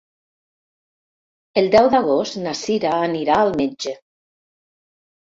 El deu d'agost na Cira anirà al metge.